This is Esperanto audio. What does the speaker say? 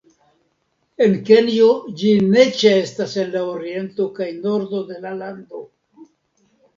En Kenjo ĝi ne ĉeestas en la oriento kaj nordo de la lando.